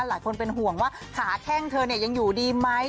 หลายคนเป็นห่วงว่าขาแข้งเธอเนี่ยยังอยู่ดีมั้ย